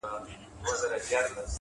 ستونزې پټ قوتونه راویښوي’